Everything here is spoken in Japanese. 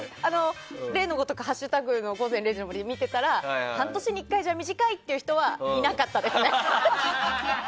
例のごとく「＃午前０時の森」見てたら半年に１回じゃ短いっていう人はいなかったですね。